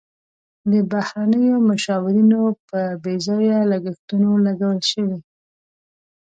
د بهرنیو مشاورینو په بې ځایه لګښتونو لګول شوي.